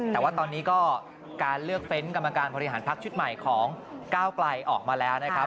แต่ว่าตอนนี้ก็การเลือกเฟ้นต์กรรมการบริหารพักชุดใหม่ของก้าวไกลออกมาแล้วนะครับ